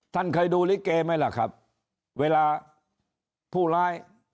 ท่านเคยดูลิเกไหมล่ะครับเวลาผู้ร้าย